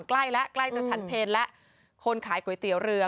ใกล้แล้วใกล้จะฉันเพลแล้วคนขายก๋วยเตี๋ยวเรือ